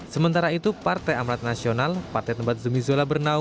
saya kira perlu perhitungan kita bersama mesti ada yang kita benahi